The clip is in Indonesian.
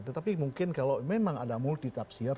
tetapi mungkin kalau memang ada multi tafsir